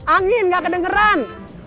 angin gak kedengeran